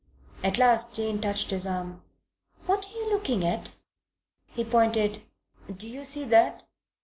At last Jane touched his arm. "What are you looking at?" He pointed. "Do you see that?"